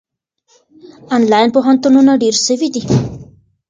آنلاین پوهنتونونه ډېر سوي دي.